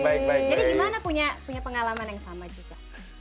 jadi gimana punya pengalaman yang sama juga